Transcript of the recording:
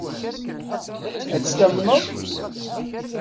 Ad tt-tamneḍ?